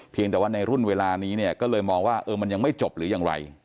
แต่ว่าในรุ่นเวลานี้เนี่ยก็เลยมองว่ามันยังไม่จบหรือยังไร